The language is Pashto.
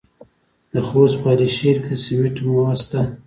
د خوست په علي شیر کې د سمنټو مواد شته.